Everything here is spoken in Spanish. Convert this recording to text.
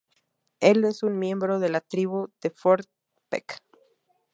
Él es un miembro de la tribu de Fort Peck.